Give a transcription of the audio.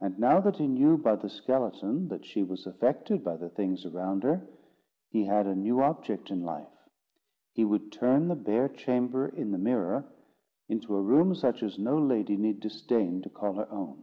And now that he knew by the skeleton, that she was affected by the things around her, he had a new object in life: he would turn the bare chamber in the mirror into a room such as no lady need disdain to call her own.